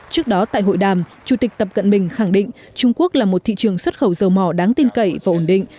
trước đó tại hội đàm chủ tịch tập cận bình khẳng định trung quốc là một thị trường xuất khẩu dầu mỏ đáng tin cậy và ổn định